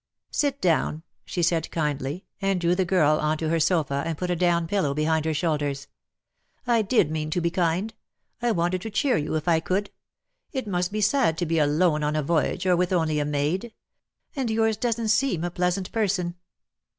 "Sit down," she said kindly, and drew the girl onto her sofa, and put a down pillow behind her shoulders. "I did mean to be kind. I wanted to cheer you, if I could. It must be sad to be alone on a voyage, or with only a maid. And yours doesn't seem a pleasant person."